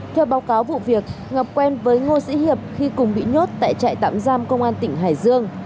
theo báo cáo vụ việc ngọc quen với ngô sĩ hiệp khi cùng bị nhốt tại trại tạm giam công an tỉnh hải dương